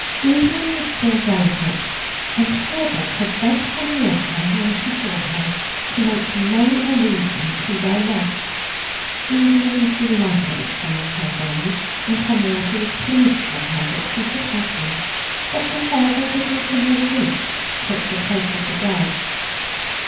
Evelyn was still delicate, and Herbert had begged Henrietta when she saw her to make no allusion to their loss. Evelyn was delighted at showing her boys, and Henrietta was pleased for her that she should have them, but to her they did not in the least take the place of the dead.